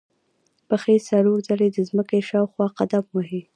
پښې څلور ځلې د ځمکې شاوخوا قدم وهي.